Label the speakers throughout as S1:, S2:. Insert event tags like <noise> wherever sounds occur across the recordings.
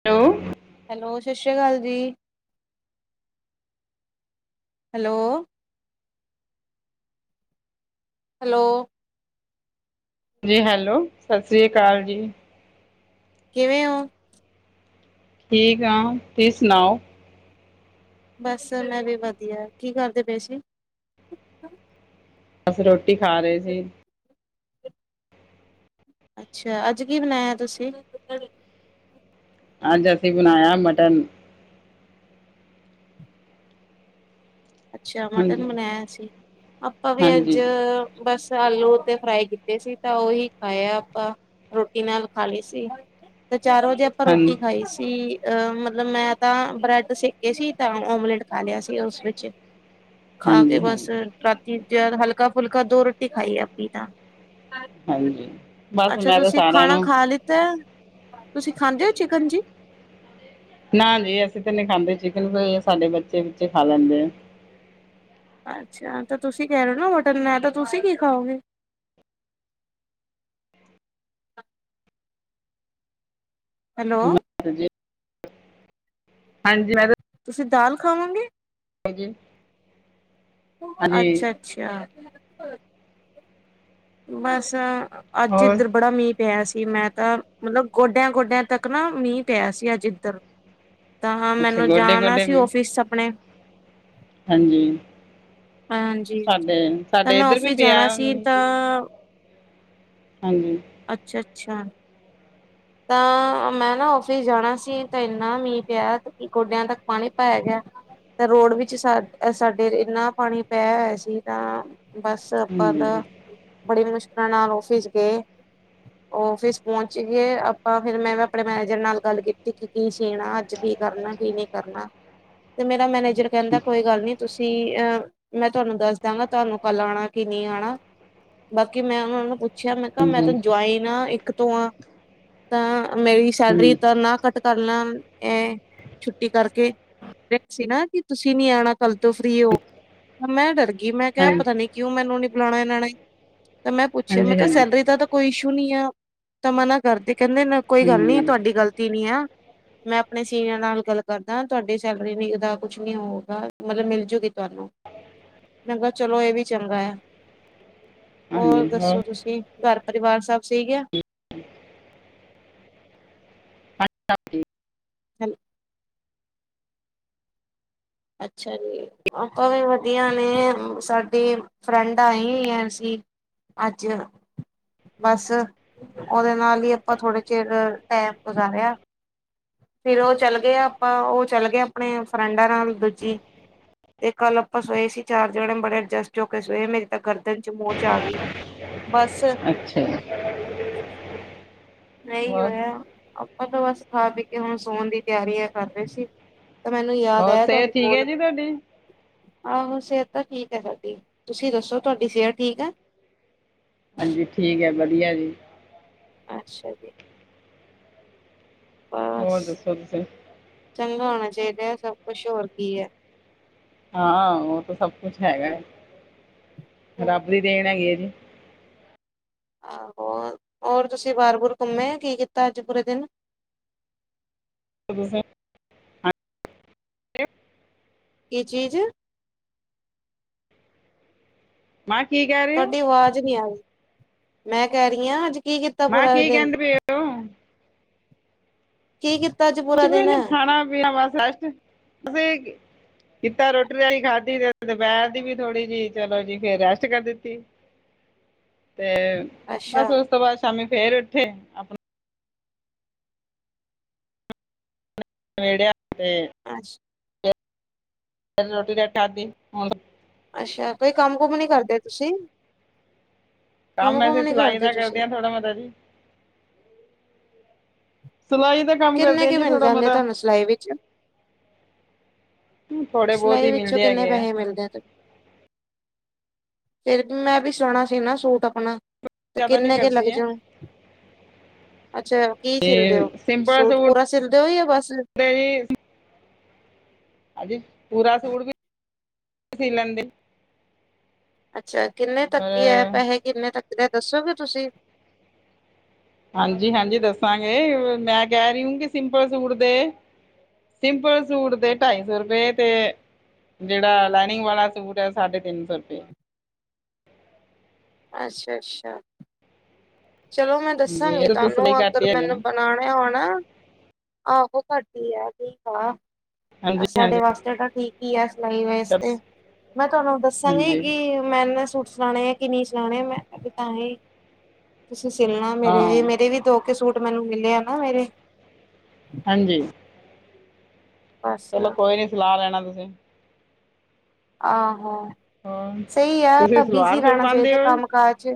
S1: <unintelligible>
S2: Hello, ਸ਼੍ਰੀ ਅਕਾਲ ਜੀ। ਹੈਲੋ ਹੈਲੋ
S1: ਜੀ ਹੈਲੋ, ਸ੍ਰੀ ਅਕਾਲ ਜੀ।
S2: ਕਿਵੇਂ ਓ?
S1: ਠੀਕ ਆਂ, ਤੂਸੀ ਸੁਨਾਓ?
S2: ਬਸ, ਮੈਂ ਵੀ ਵਧੀਆ, ਕੀ ਕਾਰਦੇ ਪਏ ਸੀ਼?
S1: ਬਸ, ਰੋਟੀ ਖਾ ਰਏ ਸੀ।
S2: ਅੱਛਾ, ਅਜ ਕੀ ਬਨਾਇਆ ਤੂਸੀ?
S1: ਅਜ, ਅਸੀ ਬਨਾਇਆ ਮਟਨ।
S2: ਅੱਛਾ
S1: ਹਾਂਜੀ
S2: ਮਟਨ ਬਨਾਇਆ ਸੀ, ਆਪਾਂ ਵੀ
S1: ਹਾਂਜੀ
S2: ਅੱਜ ਬਸ, ਆਲੂ ਤੇ ਫ੍ਰਾਈ ਕੀਤੇ ਸੀ, ਤਾ ਓਹੀ ਖਾਏ ਆਪਾ। ਰੋਟੀ ਨਾਲ ਖਾ ਲਈ ਸੀ, ਤੇ ਚਾਰ ਵਜੇ ਆਪਾਂ
S1: ਹਾਂ
S2: ਰੋਟੀ ਖਾਈ ਸੀ। ਅ ਮਤਲਬ ਮੈਂ ਤਾਂ ਬ੍ਰੈਡ ਸੇਕੇ ਸੀ, ਤਾਂ ਓਮਲੇਟ ਖਾ ਲਿਆ ਸੀ। ਉਸ ਵਿੱਚ ਖਾ ਕੇ
S1: ਹਾਂਜੀ
S2: ਬਸ
S1: ਹਾਂਜੀ
S2: ਰਾਤੀ ਜ ਹਲਕਾ ਫੁਲਕਾ ਦੋ ਰੋਟੀ ਖਾਈ ਆ, ਆਪੀ ਤਾਂ
S1: ਹਾਂਜੀ ਬਸ
S2: ਅੱਛਾ
S1: ਮੈਂ ਤਾਂ
S2: ਤੁਸੀਂ
S1: ਸਾਰਿਆਂ
S2: ਖਾਣਾ
S1: ਨੂੰ
S2: ਖਾ ਲਿੱਤਾ, ਤੁਸੀਂ ਖਾਂਦੇ ਹੋ ਚਿਕਨ ਜੀ?
S1: ਨਾ ਜੀ ਅਸੀਂ ਤਾਂ ਨਹੀਂ ਖਾਂਦੇ ਚਿਕਨ, ਕੋ ਸਾਡੇ ਬੱਚੇ-ਬੁਚੇ ਖਾ ਲੈਂਦੇ ਆ।
S2: ਅੱਛਾ, ਤਾਂ ਤੁਸੀਂ ਕਹਿ ਰਹੇ ਨਾ ਹੋਟਲ ਨਾਲ ਤਾਂ ਤੁਸੀਂ ਕੀ ਖਾਓਗੇ। ਹੈਲੋ
S1: ਹਾਂਜੀ ਮੈਂ,
S2: ਤੁਸੀਂ ਦਾਲ ਖਾਵਾਂਗੇ।
S1: ਹਾਜੀ,
S2: ਅੱਛਾ-ਅੱਛਾ, ਬਸ ਅੱਜ
S1: ਹੋਰ
S2: ਇੱਧਰ ਬੜਾ ਮੀਂਹ ਪਿਆ ਸੀ ਮੈਂ ਤਾਂ ਮਤਲਬ ਗੋਡਿਆਂ ਗੋਡਿਆਂ ਤੱਕ ਨਾ ਮੀਂਹ ਪਿਆ ਸੀ ਅੱਜ ਇੱਧਰ ਤਾਂ ਹਾਂ
S1: ਅੱਛਾ
S2: ਮੈਨੂੰ
S1: ਗੋਡੇ
S2: ਜਾਣਾ
S1: ਗੋਡੇ
S2: ਸੀ
S1: ਵੀ
S2: ਔਫਿਸ ਆਪਣੇ
S1: ਹਾਂਜੀ
S2: ਹਾਂਜੀ
S1: ਸਾਡੇ
S2: ਤਾਂ
S1: ਸਾਡੇ
S2: ਮੈਂ
S1: ਇੱਧਰ ਵੀ
S2: ਆਫਿਸ
S1: ਪਿਆ
S2: ਜਾਣਾ ਸੀ ਤਾਂ
S1: ਹਾਂਜੀ
S2: ਅੱਛਾ ਅੱਛਾ ਤਾਂ ਮੈਂ ਨਾ ਓਫਿਸ ਜਾਣਾ ਸੀ ਤਾਂ ਇੰਨਾ ਮੀਂਹ ਪਿਆ ਕਿ ਗੋਡਿਆਂ ਤੱਕ ਪਾਣੀ ਪਾਇਆ ਗਿਆ ਤਾਂ ਰੋਡ ਵਿੱਚ ਸਾ ਸਾਡੇ ਇੰਨਾ ਪਾਣੀ ਪੈ ਹੋਇਆ ਸੀ, ਤਾਂ ਬਸ ਚ ਆਪਾਂ ਦਾ,
S1: ਹਾਂਜੀ
S2: ਬੜੀ ਮੁਸ਼ਕਿਲਾਂ ਨਾਲ ਔਫਿਸ ਗਏ, ਔਫਿਸ ਪਹੁੰਚ ਗਏ। ਆਪਾਂ ਫੇਰ ਮੈਂ ਵੀ ਆਪਣੇ ਮੈਨੇਜਰ ਨਾਲ ਗੱਲ ਕੀਤੀ, ਕਿ ਅਸੀ ਨਾ ਅੱਜ ਕੀ ਕਰਨਾ ਕੀ ਨਹੀਂ ਕਰਨਾ। ਤੇ ਮੇਰਾ ਮੈਨੇਜਰ ਕਹਿੰਦਾ ਕੋਈ ਗੱਲ ਨੀ ਤੁਸੀਂ ਅਹ ਮੈਂ ਤੁਹਾਨੂੰ ਦੱਸ ਦਾਂਗਾ ਤੁਹਾਨੂੰ ਕੱਲ ਆਉਣਾ ਕਿ ਨਹੀਂ ਆਉਣਾ ਬਾਕੀ ਮੈਂ ਉਹ ਨੂੰ ਪੁੱਛਿਆ ਮੈਂ ਕਿਹਾ ਮੈਂ ਤ
S1: ਹਾਂਜੀ
S2: ਜੁਆਇਨ ਆਾਂ ਇੱਕ ਤੋਂ ਆਾਂ ਤਾਂ ਮੇਰੀ ਸੈਲਰੀ ਤਾਂ ਨਾ ਕੱਟ ਕਰ ਲੈਨ ਇਹ ਛੁੱਟੀ ਕਰਕੇ ਸੀ ਨਾ ਕਿ ਤੁਸੀਂ ਨੀ ਆਉਣਾ ਕੱਲ ਤੋਂ ਫ੍ਰਰੀ ਹੋ ਮੈਂ ਡਰ ਗੀ ਮੈਂ ਕਿਹਾ
S1: ਹਾਂਜੀ
S2: ਪਤਾ ਨੀ ਕਿਉਂ ਮੈਨੂੰ ਨੀ ਬੁਲਾਉਣਾ ਇਹਨਾਂ ਨੇ ਤੇ ਮੈਂ ਪੁੱਛਿਆ
S1: ਹਾਂਜੀ
S2: ਮੈਂ ਕਿਹਾ
S1: ਹਾਂਜੀ
S2: ਸੈਲਰੀ ਦਾ ਕੋਈ ਇਸ਼ੂ ਨੀ ਆ ਤਾਂ ਮਨਾ ਕਰਦੇ ਕਹਿੰਦੇ ਨਾ ਕੋਈ ਗੱਲ
S1: ਹਾਂਜੀ
S2: ਨੀ ਤੁਹਾਡੀ ਗ਼ਲਤੀ ਨੀ ਆ ਮੈਂ ਆਪਣੇ ਸੀਨੀਅਰ ਨਾਲ ਗੱਲ ਕਰਦਾ ਤੁਹਾਡੀ ਸੈਲਰੀ ਨ ਦਾ ਕੁਛ ਨੀ ਹੋਊਗਾ ਮਤਲਬ ਮਿਲਜੂਗੀ ਤੁਹਾਨੂੰ ਮੈ ਕਿਹਾ ਚਲੋ ਇਹ ਵੀ ਚੰਗਾ ਆ ਹੋਰ ਦੱਸੋ ਤੁਸੀਂ ਘਰ ਪਰਿਵਾਰ ਸਭ ਸਹੀਕ ਆ
S1: <inaudible> ਅੱਛਾ ਜੀ
S2: ਹੈੱਲੋ ਅੱਛਾ ਜੀ ਆਪਾਂ ਵੀ ਵਧੀਆ ਨੇ ਸਾਡੇ ਫਰੈਂਡ ਆਈ ਆਸੀਂ ਅੱਜ ਬਸ ਉਹਦੇ ਨਾਲ ਹੀ ਆਪਾਂ ਥੋੜੇ ਚਿਰ ਟੈਮ ਗੁਜ਼ਾਰਿਆ ਫਿਰ ਉਹ ਚੱਲ ਗਏ ਆਪਾਂ ਉਹ ਚੱਲ ਗਏ ਆਪਣੇ ਫਰੈਂਡਾਂ ਨਾਲ ਦੂਜੀ ਤੇ ਕੱਲ ਆਪਾਂ ਸੋਏ ਸੀ ਚਾਰ ਜਣੇ ਬੜੇ ਅਡਜਸਟ ਹੋ ਕੇ ਸੋਏ ਮੇਰੀ ਤਾਂ ਗਰਦਨ ਚ ਮੋਹਚ ਆ ਗਈ ਬਸ
S1: ਅੱਛਾ
S2: ਨਹੀਂ
S1: ਹੋਰ
S2: ਹੋਇਆ ਆਪਾਂ ਤਾਂ ਬਸ ਖਾ ਪੀ ਕੇ ਹੁਣ ਸੋਣ ਦੀ ਤਿਆਰੀ ਆ ਕਰ ਰਹੇ ਸੀ ਤਾਂ ਮੈਨੂੰ ਯਾਦ
S1: ਹੋਰ
S2: ਆ ਤੁਹਾਨੂੰ
S1: ਸਿਹਤ ਠੀਕ ਹੈ
S2: ਕੋਲ
S1: ਜੀ ਤੁਹਾਡੀ
S2: ਆਹੋ ਸਿਹਤ ਤਾਂ ਠੀਕ ਹੈ ਸਾਡੀ ਤੁਸੀਂ ਦੱਸੋ ਤੁਹਾਡੀ ਸਿਹਤ ਠੀਕ ਆ
S1: ਹਾਂਜੀ ਠੀਕ ਹੈ ਵਧੀਆ ਜੀ
S2: ਅੱਛਾ ਜੀ
S1: ਹੋਰ
S2: ਬਸ
S1: ਦੱਸੋ ਤੁਸੀ
S2: ਚੰਗਾ ਹੋਣਾ ਚਾਹੀਦਾ ਸਭ ਕੁਛ ਹੋਰ ਕੀ ਹੈ
S1: ਹਾਂ ਉਹ ਤਾਂ ਸਭ ਕੁਛ ਹੈਗਾ ਰੱਬ ਦੀ ਦੇਣ ਹੈਗੀ ਹੈ ਜੀ
S2: ਆਹੋ ਹੋਰ ਤੁਸੀਂ ਬਾਰ ਬੁਰ ਘੁੰਮੇ ਕੀ ਕੀਤਾ ਅੱਜ ਪੂਰੇ ਦਿਨ
S1: ਅ ਬੀਜ਼ੀ ਤੇ
S2: ਕੀ ਚੀਜ਼
S1: ਮੈਂ ਕੀ ਕਹਿ ਰ
S2: ਤੁਹਾਡੀ ਆਵਾਜ਼ ਨਹੀਂੀ ਆ ਗਈ ਮੈਂ ਕਹਿ ਰਹੀ ਹਾਂ ਅੱਜ ਕੀ ਕੀਤ
S1: ਮਾਂ ਕੀ ਕਹਿੰਦੇ ਪਏ ਓ
S2: ਕੀ ਕੀਤਾ ਅੱਜ
S1: ਕੁਛ
S2: ਪੂਰਾ
S1: ਵੀ
S2: ਦਿਨ
S1: ਨੀ ਖਾਣਾ ਪੀਣਾ ਬਸਸ ਕਿ ਕੀਤਾ ਰੋਟੀ ਰਾ ਹੀ ਖਾਧੀ ਤੇ ਦੁਪਹਿਰ ਦੀ ਵੀ ਥੋੜੀ ਜਿਹੀ ਚਲੋ ਜੀ ਫੇਰ ਰੈਸਟ ਕਰ ਦਿੱਤੀ ਤੇ
S2: ਅੱਛਾ
S1: ਬਸ ਉਸ ਤੋਂ ਬਾਅਦ ਸ਼ਾਮੀ ਫੇਰ ਉੱਠੇ ਆਪਣਾ ਨੇੜੇ ਆਂਦੇ
S2: <unintelligible>
S1: <unintelligible>
S2: ਅੱਛਾ ਕੋਈ ਕੰਮ ਕੁਮ ਨੀ ਕਰਦੇ ਤੁਸੀ
S1: ਕੰਮ ਅਸੀਂ ਸਿਲਾਈ ਦਾ ਕਰਦੇ ਹ ਥੋੜਾ ਮਤਾ ਜੀ ਸਵਾਈ ਦਾ ਕੰਮ ਕਰਦੇ
S2: ਕਿੰਨੇ
S1: ਹੈ
S2: ਕੁ
S1: ਜੀ
S2: ਮਿਲ
S1: ਥੋੜਾ
S2: ਜਾਂਦੇ
S1: ਬੋਤਤਾ
S2: ਤੁਹਾਨੂੰ ਸਿਲਾਈ ਵਿੱਚ
S1: ਬਹੁਤ
S2: ਸਿਲਾਈ
S1: ਹੀ
S2: ਵਿੱਚੋਂ
S1: ਮਿਲਦੇ
S2: ਕਿੰਨੇ
S1: ਹੈਗੇ
S2: ਪੈਹੇ ਮਿਲਦੇ ਆ ਤ ਫੇਰ ਮੈਂ ਵੀ ਸੋਣਾ ਸੀ ਨਾ ਸੂਟ ਆਪਣਾ ਤੇ
S1: ਜ਼ਿਆਦਾ ਨਹੀਂ
S2: ਕਿੰਨੇ ਕੁ ਲੱਗ
S1: ਕਰਦੀ ਆ
S2: ਜਉ ਅੱਛਾ ਕੀ ਸੀਛਲਦੇ ਹੋ ਸੂਟ ਪੂਰਾ ਸਿਲਦੇ ਹੋ ਯਾ ਬਸ
S1: <unintelligible> ਅਜੀ ਪੂਰਾ ਸੂਟ ਵੀ ਸੀ ਲੈਂਦੇ
S2: ਅੱਛਾ ਕਿੰਨੇ ਤੱਕ ਹੀ ਹੈ
S1: ਪਰ
S2: ਪੈਹੇ ਕਿੰਨੇ ਤੱਕ ਦੇ ਦੱਸੋਗੇ ਤੁਸੀ
S1: ਹਾਂਜੀ ਹਾਂਜੀ ਦੱਸਾਂਗੇ ਮੈਂ ਕਹਿ ਰਹੀ ਹਊਂਗੀ ਸਿੰਪਲ ਸੂਟ ਦੇ ਸਿੰਪਲ ਸੂਟ ਦੇ ਢਾਈ ਸੌ ਰੁਪਏ ਤੇ ਜਿਹੜਾ ਲਾਈਨਿੰਗ ਵਾਲਾ ਸੂਟ ਏ ਸਾਢੇ ਤਿੰਨ ਸੌ ਰੁਪਏ
S2: ਅੱਛਾ ਅੱਛਾ ਚਲੋ ਮੈਂ
S1: ਜੀ
S2: ਦੱਸਾਂਗੀ
S1: ਇਹ ਤਾਂ ਸਿਲਾਈ
S2: ਤੁਹਾਨੂੰ
S1: ਘੱਟ
S2: ਅਗਰ
S1: ਹੀ ਹੈਗੀ ਹੈ
S2: ਮੈਨੂੰ
S1: ਨਾ
S2: <unintelligible> ਆਹੋ ਕਰਦੀ ਆ ਠੀ ਕਾ
S1: ਹਾਂਜੀ
S2: ਸਾਡੇ
S1: ਹਾਂਜੀ
S2: ਵਾਸਤੇ ਤਾ ਠੀਕ ਹੀ ਆ ਸਿਲਾਈ
S1: ਚਲੋ
S2: ਵਾਸਤੇ ਮੈਂ ਤੁਹਾਨੂੰ ਦੱਸਾਂਗੀ
S1: ਹਾਂਜੀ
S2: ਕਿ ਮੈਨੇ ਸੂ ਸੁਣਾਣੇ ਆ ਕਿ ਨਹੀਂ ਸੁਣਾਣੇ ਮੈਂ ਤਾਂ ਹੀ ਤੁਸੀਂ ਸਿਲਣਾ
S1: ਹਾਂ
S2: ਮੇਰੇ ਵੀ ਮੇਰੇ ਵੀ ਦੋ ਸੂਟ ਮੈਨੂੰ ਮਿਲੇਆ ਨਾ ਮੇਰੇ
S1: ਹਾਂਜੀ
S2: ਬਸ
S1: ਚਲੋ ਕੋਈ ਨੀ ਸਲਾਹ ਲੈਣਾ ਤੁਸੀ
S2: ਆਹੋ
S1: ਹੋਰ
S2: ਸਹੀ
S1: ਤੁਸੀਂ
S2: ਆ ਬਿਜੀ
S1: ਸਲਵਾਰ ਸੂਟ
S2: ਰਹਿਣਾ
S1: ਪਾਉਂਦੇ
S2: ਚਾਹੀਦਾ
S1: ਹੋ
S2: ਕੰਮ ਕਾਜ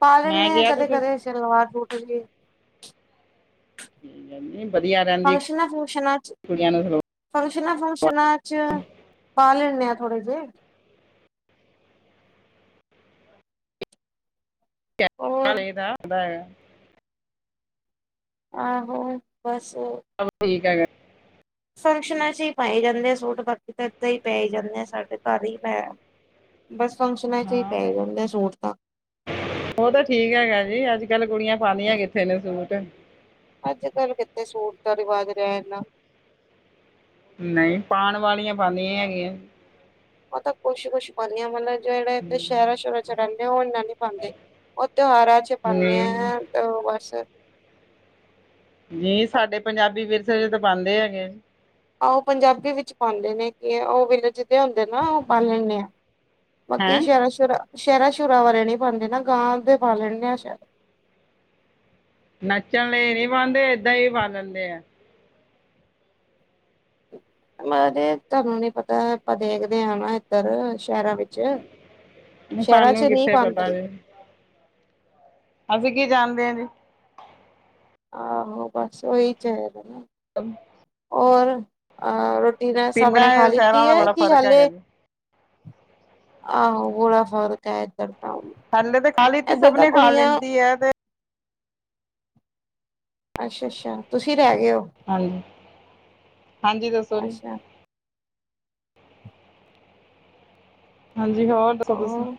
S2: ਪਾ ਲੈਂਦੇ
S1: ਮੈਂ
S2: ਹਾਂ
S1: ਕਿਹਾ
S2: ਕਦੇ
S1: ਤੁਸੀਂ
S2: ਕਦੇ ਸਲਵਾਰ ਬੂਟ ਵੀ
S1: ਨਹੀਂ ਵਧੀਆ ਰਹਿੰਦੀ
S2: ਫੰਸ਼ਨਾਂ ਫੂੰਸ਼ਨਾ
S1: ਕੁੜੀਆਂ ਨੂੰ ਸਲਵਾਰ
S2: ਫੰਕਸ਼ਨਾਂ ਫੂੰਕਸ਼ਨਾਂ ਚ ਪਾ ਲੈਨੇ ਆ ਥੋੜੇ ਜਹੇ ਹੋਰ
S1: ਹਲੇ ਦਾ <unintelligible>
S2: ਆਹੋ ਬਸ
S1: <unintelligible>
S2: ਫੰਕਸ਼ਨਾਂ ਚ ਹੀ ਪਾਏ ਜਾਂਦੇ ਆ ਸੂਟ ਬਾਕੀ ਤਾਂ ਇਦਾਂ ਹੀ ਪੈ ਹੀ ਜਾਂਦੇ ਆ ਸਾਡੇ ਘਰ ਹੀ ਪੈ ਬਸ ਫੰਕਸ਼ਨਾਂ ਚ ਹੀ ਪੈ
S1: ਹਾਂ
S2: ਜਾਂਦੇ ਸੂਟ ਤਾਂ
S1: ਉਹ ਤਾਂ ਠੀਕ ਹੈਗਾ ਜੀ ਅੱਜ ਕੱਲ ਕੁੜੀਆਂ ਪਾਦੀਆਂ ਕਿੱਥੇ ਨੇ ਸੂਟ
S2: ਅੱਜ ਕੱਲ੍ਹ ਕਿੱਥੇ ਸੂਟ ਦਾ ਰਿਵਾਜ ਰਿਹਾ ਇਨਾ
S1: ਨਹੀਂ ਪਾਣ ਵਾਲੀਆਂ ਪਾਂਦੀਆਂ ਹੈਗੀਐਂ
S2: ਉਹ ਤਾਂ ਕੁੱਛ ਕੁੱਛ ਪਾਦੀ ਆਂ ਮਤਲਬ ਜਿਹੜੇ ਇਥ
S1: ਹਮ,
S2: ਸ਼ਹਿਰਾਂ ਸ਼ੁਹਰਾ ਚ ਰੈਂਦੇ ਆ ਉਹ ਇੰਨਾ ਨੀ ਪਾਂਦੇ ਉਹ ਤਿਉਹਾਰਾਂ ਚ ਪਾਨੇਂ
S1: ਨਹੀਂ
S2: ਆ ਓਹ ਬਸ
S1: ਨੀ ਸਾਡੇ ਪੰਜਾਬੀ ਵਿਰਸੇ ਤਾਂ ਪਾਂਦੇ ਹੈਗੇ
S2: ਆਹ ਉਹ ਪੰਜਾਬੀ ਵਿੱਚ ਪਾਂਦੇ ਨੇ ਕਿ ਉਹ ਵਿਲੇਜ ਦੇ ਹੁੰਦੇ ਨਾ ਉਹ ਪਾਲਨੇ ਆ ਬਾਕੀ
S1: ਹੈਂ
S2: ਸ਼ਹਿਰਾਂ ਸ਼ੁਰਾ ਸ਼ਹਿਰਾਂ ਸ਼ੁਰਾਂ ਵਾਰੇ ਨੀ ਪਾਂਨਦੇ ਨਾ ਗਾਂਹ ਦੇ ਪਾ ਲੈਨਦੇ ਆ ਸ਼ਹਿਰ
S1: ਨੱਚਨ ਲਈ ਨਹੀਂ ਪਾਂਨਦੇ ਏਦਾਂ ਹੀ ਪਾ ਲੈਂਦੇ ਆ
S2: ਤੁਹਾਨੂੰ ਨੀ ਪਤਾ ਆਪਾ ਦੇਖਦੇ ਆ ਨਾ ਇੱਧਰ ਸ਼ਹਿਰਾਂ ਵਿੱਚ ਸ਼ਹਿਰਾਂ ਚ
S1: ਸਾਨੂੰ
S2: ਨਹੀਂ
S1: ਕਿੱਥੇ ਪਤਾ
S2: ਪਾਂਨਦੇ
S1: ਜੀ ਅਸੀਂ ਕੀ ਜਾਨਦੇ ਹਾਂ ਜੇ
S2: ਆਹੋ ਬਸ ਓਹੀ ਚ ਹੈ
S1: ਹਮ
S2: ਔਰ ਅਹ ਰੋਟੀ ਨੇ ਸਾਬਣੇ
S1: ਪਿੰਡਾਂ
S2: ਖਾ
S1: ਸ਼ਹਿਰਾਂ
S2: ਲਿੱਤੀ
S1: ਦਾ
S2: ਹੈ
S1: ਬੜਾ
S2: ਕਿ
S1: ਫਰਕ ਹੈਗਾ
S2: ਹਾਲੇ
S1: ਜੀ
S2: ਆਹੋ ਗੁਲਾ ਫਰ ਕ
S1: ਥੱਲੇ ਤੇ ਖਾਲੀ ਤੇ ਸਭ ਨੇ ਖਾ
S2: ਕੁੜੀਆਂ
S1: ਲੈਂਦੀ ਹੈ ਤੇ
S2: ਅੱਛਾ ਅੱਛਾ ਤੁਸੀਂ ਰਹਿ ਗਏ ਹੋ
S1: ਹਾਂਜੀ ਜ ਹਾਂਜੀ ਦੱਸੋ ਜੀ
S2: ਅੱਛਾ
S1: ਹਾਂਜੀ ਹੋਰ ਦੱਸੋ ਤੁਸੀਂ
S2: ਹੋਰ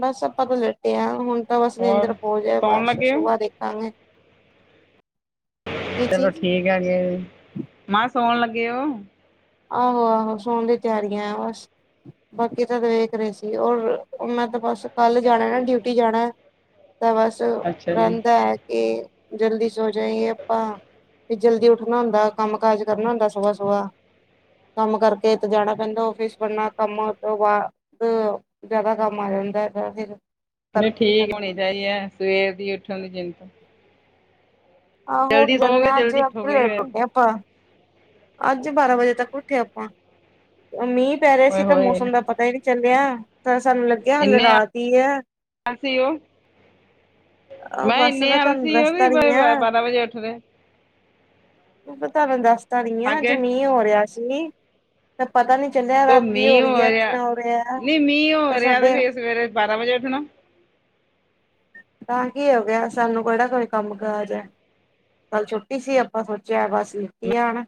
S2: ਬਸ ਆਪਾਂ ਤੋਂ ਲਟੇ ਆ ਹੁਣ ਤਾਂ ਬਸ ਨਿੰਦਰ
S1: ਹੋਰ
S2: ਪਹੁੰਚ ਜਾ
S1: ਸੌਣ
S2: ਬਸ
S1: ਲੱਗੇ ਹੋ
S2: ਸੁਬਾਹ ਦੇਖ <unintelligible>
S1: ਚਲੋ ਠੀਕ ਹੈਗੇ ਮਾਂ ਸੋਨ ਲੱਗੇ ਓਹ
S2: ਆਹੋ ਆਹੋ ਸੋਨ ਦੀ ਤਿਆਰੀਆਂ ਬਸ ਬਾਕੀ ਤਾਂ ਵੇਖ ਰਹੇ ਸੀ ਓਰ ਮੈਂ ਤਾ ਬਸ ਕੱਲ ਜਾਣਾ ਨਾ ਡਿਊਟੀ ਜਾਣਾ ਤਾਂ ਬਸ
S1: ਅੱਛਾ ਜੀ
S2: ਰਹਿੰਦਾ ਹੈ ਕੇ ਜਲਦੀ ਸੋ ਜਾਈਏ ਆਪਾਂ ਵੀ ਜਲਦੀ ਉੱਠਣਾ ਹੁੰਦਾ ਕੰਮ ਕਾਜ ਕਰਨਾ ਹੁੰਦਾ ਸਬ ਸਹ ਕੰਮ ਕਰਕੇਥ ਜਾਣਾ ਪੈਂਦਾ ਫਿਸ ਬਣਨਾ ਕੰਮ ਤੋਂ ਬਾਅਦ ਜ਼ਿਆਦਾ ਕੰਮ ਆ ਜਾਂਦਾ ਹੈ ਤਾਂ ਫਿਰ
S1: ਨਹੀਂ
S2: ਕਰਕੇ ਹੀ
S1: ਠੀਕ ਹੋਣੀ
S2: ਜਾਂਦੇ
S1: ਚਾਹੀਦੀ ਹੈ ਸਵੇਰ ਦੀ ਉੱਠਣ ਦੀ ਜਿੰਤ
S2: ਆਹ ਹੋ ਤੇ ਜਾਂਦੇ
S1: ਸੌਂਗੇ
S2: ਹਾਂ ਅੱਜ
S1: ਜਲਦੀ ਉੱਠੋਗੇ
S2: ਲੇਟ
S1: ਫਿਰ
S2: ਉੱਠੇ ਆਪਾਂ ਅੱਜ ਬਾਰਾਂ ਵਜੇ ਤੱਕ ਉੱਠੇ ਆਪਾਂ ਅਮੀਰ ਪੈ ਰਿਹਾ
S1: ਓਏ
S2: ਸੀ ਤਾਂ
S1: ਹੋਏ
S2: ਮੌਸਮ ਦਾ ਪਤਾ ਹੀ ਨਹੀਂੀ ਚੱਲਿਆ ਤਾਂ ਸਾਨੂੰ ਲੱਗ ਕੀ ਹਾਲ
S1: ਇੰਨੇ
S2: ਰਾਤ ਹੀ ਹੈ
S1: ਆਲਸੀ ਹੋ
S2: ਆ
S1: ਮੈਂ
S2: ਬੱਸ
S1: ਇੰਨੇ
S2: ਪਤਾਾਨੂੰ
S1: ਆਲਸੀ ਹੋ ਵੀ
S2: ਰਸਤਾ ਰੀਆਂ
S1: ਵਜੇ ਉੱਠਦੇ
S2: ਤੁਹਾਨੂੰ ਦੱਸਦਾ ਨੀ ਆ
S1: ਅੱਗੇ
S2: ਜਮੀਹ ਹੋ ਰਿਹਾ ਸੀ ਤੇ ਪਤਾ ਨੀ ਚੱਲਿਆ
S1: ਤੋ
S2: ਰਾਤੀ ਹੋ
S1: ਮੀਂਹ
S2: ਰਹੀ ਹੈ
S1: ਰਿਹਾ
S2: ਕਿੰਨਾ ਹੋ ਰਿਹਾ ਤੇ ਸਾਡੇ
S1: ਬਾਰਾਂ ਵਜੇ ਉਠ ਨਾ
S2: ਤਾਂ ਕੀ ਹੋ ਗਿਆ ਸਾਨੂੰ ਕਿਹੜਾ ਕੋਈ ਕੰਮ ਕਾਜ ਹੈ ਕੱਲ ਛੁੱਟੀ ਸੀ ਆਪਾਂ ਸੋਚਿਆ ਬਸ ਲਿਤੀ ਆ ਆ ਨਾ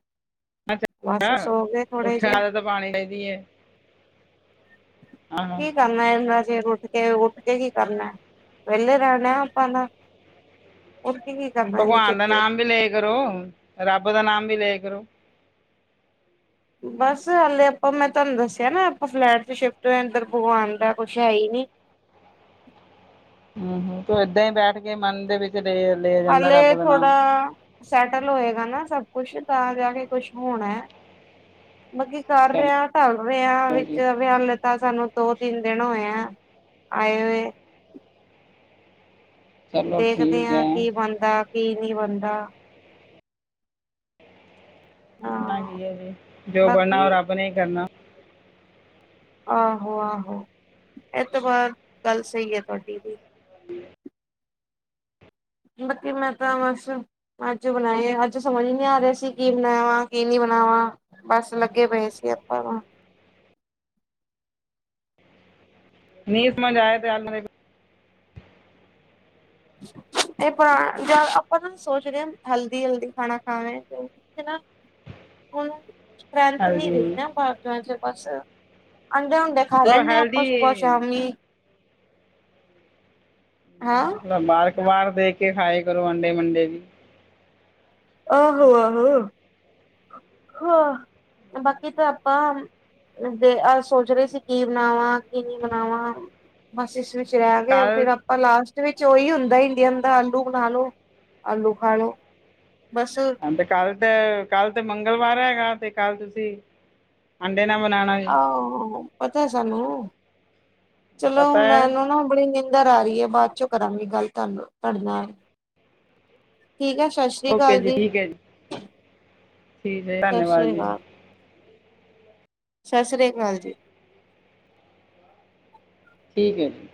S1: ਉੱਠਣ
S2: ਜਿਹੇ
S1: ਦਾ ਤਾਂ ਪਾਣੀ ਚਾਹੀਦੀ ਹੈ ਆਹ
S2: ਕੀ ਕਰਨਾ ਇਹਦਾ ਫਿਰ ਉੱਠ ਕੇ ਉੱਠ ਕੇ ਕੀ ਕਰਨਾ ਵਿਹਲੇ ਰਹਿਣਾ ਆਪਾਂ ਦਾ ਉਹਰ ਕੀ ਕੀ ਕਰ
S1: ਭਗਵਾਨ ਦਾ ਨਾਮ ਵੀ ਲੈ ਕਰੋ ਰੱਬ ਦਾ ਨਾਮ ਵੀ ਲੈ ਕਰੋ
S2: ਬਸ ਹਾਲੇ ਆਪਾਂ ਮੈਂ ਤੁਹਾਨੂੰ ਦੱਸਿਆ ਨਾ ਆਪਾਂ ਫਲੈਟ ਚ ਸ਼ਿਫਟ ਹੋਏ ਇੰਧਰ ਭਗਵਾਨ ਦਾ ਕੁਛ ਹੈ ਹੀ ਨਹੀਂੀ
S1: ਹਮ ਹਮ ਤੂੰ ਏਦਾਂ ਹੀ ਬੈਠ ਕੇ ਮਨ ਦੇ ਵਿੱਚ ਲ ਲਿਆ ਜਾਂਦਾ
S2: ਹਾਲੇ
S1: ਰੱਬ ਦਾ
S2: ਥੋੜਾ
S1: ਨਾਮ
S2: ਸੈਟਲ ਹੋਏਗਾ ਨਾ ਸਭ ਕੁੱਛ ਤਾਂ ਜਾ ਕੇ ਕੁਛ ਹੋਣਾ ਹੈ ਮਬੀ ਕਰ
S1: ਚਲੋ
S2: ਰਿਹਾ ਢਲ ਰਿਹਾ
S1: ਜੀ
S2: ਵਿੱਚ ਵਿ ਹ ਲਤਾ ਸਾਨੂੰ ਦੋ ਤਿੰਨ ਦਿਨ ਹੋਇਆ ਆਏ
S1: ਚਲੋ
S2: ਦੇਖਦੇ
S1: ਠੀਕ
S2: ਹਾਂ
S1: ਹੈ
S2: ਕੀ ਬਣਦਾ ਕੀ ਨਹੀਂ ਬਣਦਾ
S1: ਬਣਨਾ
S2: ਹਾਂ
S1: ਕੀ ਹੈ ਜੀ ਜੋ ਬਣਨਾ
S2: ਬਾਕੀ
S1: ਉਹ ਰੱਬ ਨੇ ਹੀ ਕਰਨਾ
S2: ਆਹੋ ਆਹੋ ਇਹ ਤੋਂ ਬਾਅਦ ਗੱਲ ਸਹੀ ਹੈ ਤੁਹਾਡੀ ਵੀ ਬਾਕੀ ਮੈਂ ਤਾਂ ਬੱਸ ਅੱਜ ਬਣਾਏ ਅੱਜ ਸਮਝ ਹੀ ਨਹੀਂ ਆ ਰਿਹਾ ਸੀ। ਕੀ ਬਣਾਵਾ ਕਿ ਨੀ ਬਣਾਵਾਂ ਬਸ ਲੱਗੇ ਪਏ ਸੀ ਆਪਾਂ
S1: ਨੀ ਮਨ ਆਏ ਤੇ ਅਲਮ
S2: ਇਹ ਪੁਰਾ ਜਾਂ ਆਪਾਂ ਨਾ ਸੋਚ ਰਹੇ ਹਾਂ ਹੈਲਦੀ ਹੈਲਦੀ ਖਾਣਾ ਖਾਵੇ ਨਾ ਹੋਰ ਸਟਰ੍ਰੈਂਥ ਨੀ ਰਹੀ
S1: ਹੈਲਦੀ
S2: ਨਾ ਪਾਸਤਾ ਚ ਬਸ ਅਡੇ ਹੁਦੇ ਖਾ
S1: ਉਹ
S2: ਲੈਂਦੇ ਹਾਂ ਆਪਾਂ
S1: ਹੈਲਦੀ
S2: ਸੁਬਹ ਸ਼ਾਮੀ ਹੈਂ।
S1: ਨਾ ਵਾਰ ਕ ਵਾਰ ਦੇਖ ਕੇ ਖਾਏ ਕਰੋ ਅੰਡੇ ਮੰਡੇ ਵੀ
S2: ਆਹਹੋ ਆਹੋ ਹ ਬਾਕੀ ਤਾਂ ਆਪਾ ਜ ਅਜ ਸੋਚ ਰਹੇ ਸੀ ਕੀ ਬਣਾਵਾਂ ਕੀ ਨਹੀਂ ਬਣਾਵਾਂ। ਬਸ ਇਸ ਵਿੱਚ ਰਹਿ ਗਏ
S1: ਕੱਲ
S2: ਫਿਰ ਆਪ ਪਰ ਲਾਸਟ ਵਿੱਚ ਉਹੀ ਹੁੰਦਾ ਇੰਡੀਅਨ ਦਾ ਆਲੂ ਬਣਾ ਲਓ ਆਲੂ ਖਾ ਲਓ। ਬਸ
S1: ਤੇ ਕੱਲ ਤੇ ਕੱਲ ਤੇ ਮੰਗਲਵਾਰ ਹੈਗਾ ਤੇ ਕੱਲ ਤੁਸੀਂ ਅੰਡੇ ਨ ਬਨਾਣਾ
S2: ਆਹੋ ਪਤਾ ਸਾਨੂੰ ਚਲੋ
S1: ਪਤਾ ਹੈ
S2: ਮੈਨੂੰ ਨਾ ਬੜੀ ਨਿੰਦ ਨੀਦਰ ਆ ਰਹੀ ਹੈ ਬਾਅਦ ਚੋਂ ਕਰਾਂਗੇ ਗੱਲ ਤੁਹਾਨੂੰ ਤੁਹਾਡੇ ਨਾਲ ਠੀਕ ਹੈ ਸਤਿ ਸ਼੍ਰੀ
S1: ਓਕੇ
S2: ਅਕਾਲ ਜੀ,
S1: ਠੀਕ ਹੈ ਠੀਕ ਹੈ
S2: ਸਤਿ
S1: ਧੰਨਵਾਦ
S2: ਸ੍ਰੀ
S1: ਜੀ
S2: ਅਕਾਲ। ਸਤਿ ਸ੍ਰੀ ਅਕਾਲ ਜੀ।
S1: ਠੀਕ ਹੈ ਜੀ।